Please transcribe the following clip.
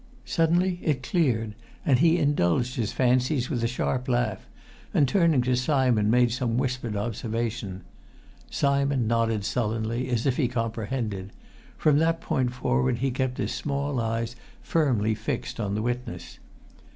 Suddenly it cleared, and he indulged his fancies with a sharp laugh, and turning to Simon made some whispered observation. Simon nodded sullenly, as if he comprehended; from that point forward he kept his small eyes firmly fixed on the witness.